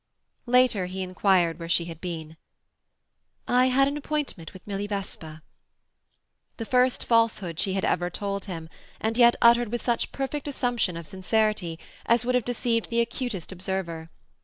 Later, he inquired where she had been. "I had an appointment with Milly Vesper." The first falsehood she had ever told him, and yet uttered with such perfect assumption of sincerity as would have deceived the acutest observer.